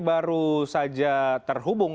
baru saja terhubung